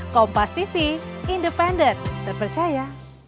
kompas tv independen terpercaya